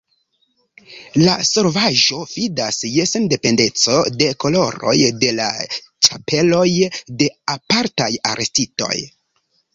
La solvaĵo fidas je sendependeco de koloroj de la ĉapeloj de apartaj arestitoj.